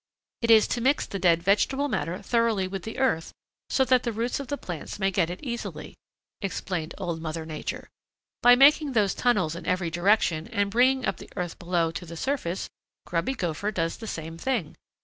"It is to mix the dead vegetable matter thoroughly with the earth so that the roots of the plants may get it easily," explained Old Mother Nature. "By making those tunnels in every direction and bringing up the earth below to the surface, Grubby Gopher does the same thing.